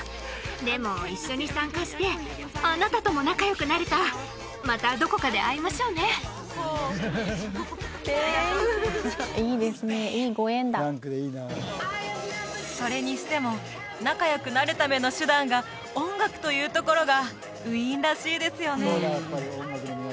でも一緒に参加してあなたとも仲良くなれたまたどこかで会いましょうねいいですねいいご縁だ何かいいなあそれにしても仲良くなるための手段が音楽というところがウィーンらしいですよね